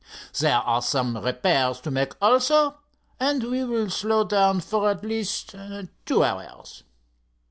There are some repairs to make, also, and we will slow down for at least two hours."